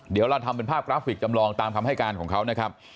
เดี๋ยวเราทำเป็นภาพกราฟิกจำลองตามคำให้การของเขานะครับ